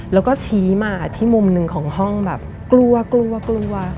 แล้วก็ชี้มาที่มุมหนึ่งของห้องแบบกลัวกลัวกลัว